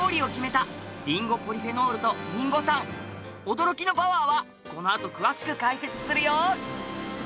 驚きのパワーはこのあと詳しく解説するよ！